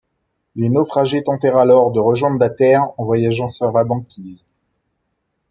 Les naufragés tentèrent alors de rejoindre la terre en voyageant sur la banquise.